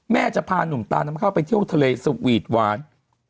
แม่จะพาหนุ่มตานำเข้าไปเที่ยวทะเลสวีทหวาน